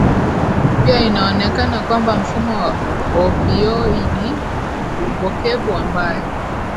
Pia inaonekana kwamba mfumo wa opioidi μpokevu ambayo